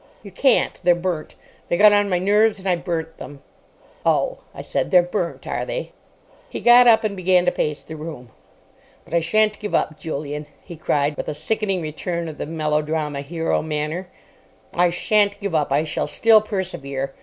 "You can't. They're burnt. They got on my nerves, and I burnt them." "Oh," I said, "they're burnt, are they?" He got up, and began to pace the room. "But I shan't give up, Julian," he cried, with a sickening return of the melodrama hero manner; "I shan't give up. I shall still persevere.